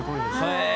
へえ。